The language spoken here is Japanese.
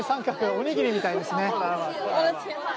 おにぎりみたいですね。